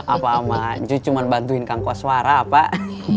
apa mak cuy cuma bantuin kangkos suara pak